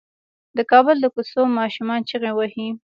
د کابل د کوڅو ماشومان چيغې وهي.